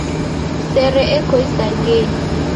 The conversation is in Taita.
Sere eko isangenyi.